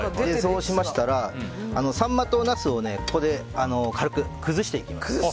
そうしましたら、サンマとナスを軽く崩していきます。